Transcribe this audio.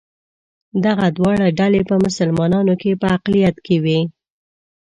دغه دواړه ډلې په مسلمانانو کې په اقلیت کې وې.